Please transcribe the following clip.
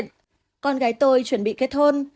con gái tôi chuẩn bị kết hôn